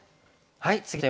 はい。